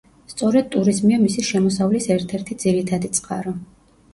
სწორედ ტურიზმია მისი შემოსავლის ერთ-ერთი ძირითადი წყარო.